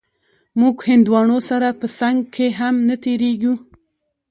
موږ هندوانو سره په څنگ کښې هم نه تېرېږو.